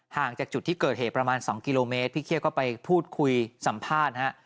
จากจุดที่เกิดเหตุประมาณ๒กิโลเมตรพี่เคี่ยวก็ไปพูดคุยสัมภาษณ์ฮะ